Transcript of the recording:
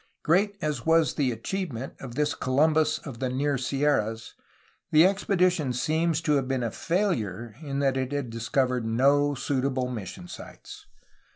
Great as was the achievement of this Columbus of the near Sierras, the expedition seemed to have been a failure in that it had discovered no suitable mission sites.